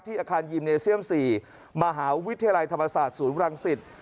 อาคารยิมเนเซียม๔มหาวิทยาลัยธรรมศาสตร์ศูนย์รังสิต